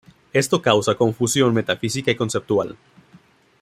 Esto causa confusión metafísica y conceptual.